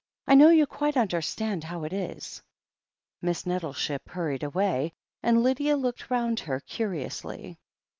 I know you quite understand how it is " Miss Nettleship hurried away, and Lydia looked round her curiously.